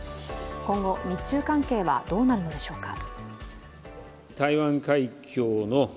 今後、日中関係はどうなるのでしょうか。